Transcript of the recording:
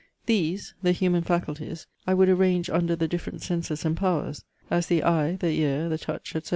"These (the human faculties) I would arrange under the different senses and powers: as the eye, the ear, the touch, etc.